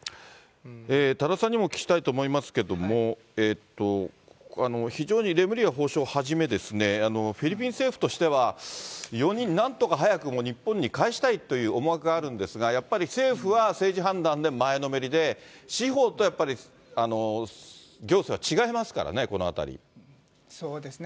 多田さんにもお聞きしたいと思いますけども、非常にレムリヤ法相はじめ、フィリピン政府としては、４人なんとか早く日本に返したいという思惑があるんですが、やっぱり政府は政治判断で前のめりで、司法とやっぱり行政は違いますからね、そうですね。